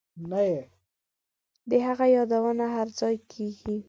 د هغه یادونه هرځای کیږي